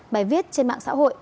bài viết trên mạng xã hội